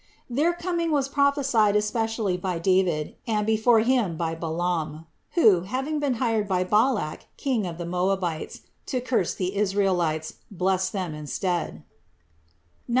Their coming was prophesied especially by David, and before him, by Balaam, who, having been hired by Balaac, king of the Moabites, to curse the Israel ites, blessed them instead (Numb.